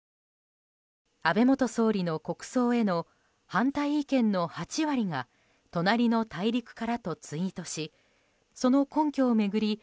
安倍元総理の国葬への反対意見の８割が隣の大陸からとツイートしその根拠を巡り